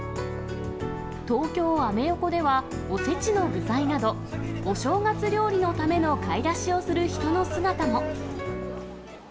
東京・アメ横では、おせちの具材など、お正月料理のための買い出しをする人の姿も。